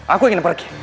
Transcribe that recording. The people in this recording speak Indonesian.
aku ingin pergi